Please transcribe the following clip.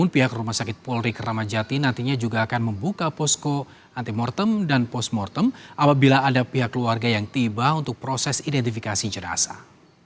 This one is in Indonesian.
polri keramat jati nantinya juga akan membuka posko anti mortem dan post mortem apabila ada pihak keluarga yang tiba untuk proses identifikasi jenazah